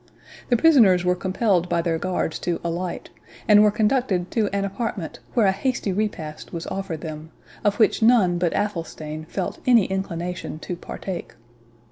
The prisoners were compelled by their guards to alight, and were conducted to an apartment where a hasty repast was offered them, of which none but Athelstane felt any inclination to partake.